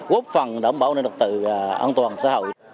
quốc phòng đảm bảo năng lực tự an toàn xã hội